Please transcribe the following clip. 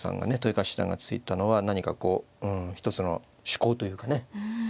七段が突いたのは何かこううん一つの趣向というかね作戦？